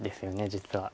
実は。